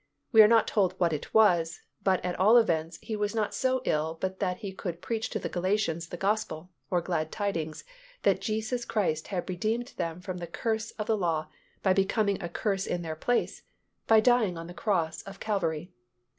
We are not told what it was, but at all events, he was not so ill but that he could preach to the Galatians the Gospel, or glad tidings, that Jesus Christ had redeemed them from the curse of the law by becoming a curse in their place, by dying on the cross of Calvary.